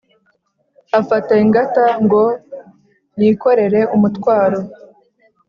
afata ingata ngo yikorere umutwaro,